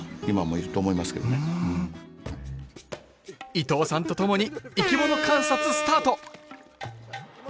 伊藤さんと共に生き物観察スタート！